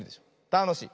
たのしい。